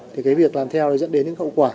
thì cái việc làm theo dẫn đến những khẩu quả